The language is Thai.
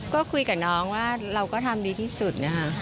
ก็คุยกับน้องว่าเราก็ทำดีที่สุดนะคะ